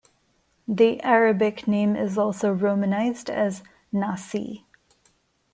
The Arabic name is also romanized as Nasie.